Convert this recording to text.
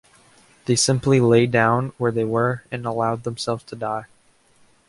They simply lay down where they were and allowed themselves to die.